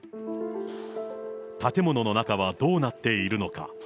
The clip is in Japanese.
建物の中はどうなっているのか。